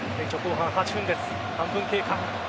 半分経過。